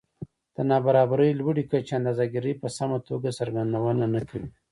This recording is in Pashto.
د نابرابرۍ لوړې کچې اندازه ګيرۍ په سمه توګه څرګندونه نه کوي